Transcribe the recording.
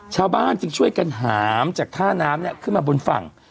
ชาวบ้านจึงช่วยกันหามจากท่าน้ำขึ้นมาบนฝั่ง